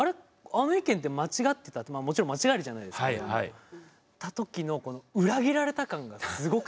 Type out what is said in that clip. あの意見って間違ってたもちろん間違えるじゃないですか。ときのこの裏切られた感がすごくて。